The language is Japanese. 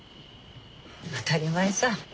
当たり前さ。